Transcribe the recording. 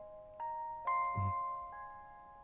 うん。